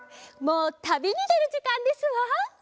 もうたびにでるじかんですわ。